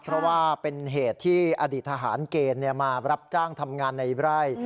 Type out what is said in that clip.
เพราะว่าเป็นเหตุที่อดีตทหารเกณฑ์มารับจ้างทำงานในไร่